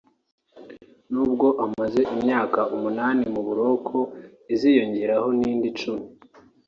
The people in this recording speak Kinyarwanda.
n’ubwo amaze imyaka umunani mu buroko iziyongeraho n’indi icumi